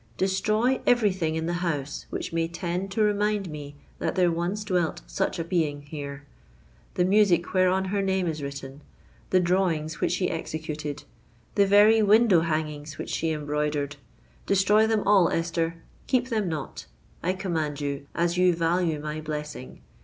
Destroy every thing in the house which may tend to remind me that there once dwelt such a being here—the music whereon her name is written, the drawings which she executed, the very window hangings which she embroidered. Destroy them all, Esther—keep them not—I command you, as you value my blessing!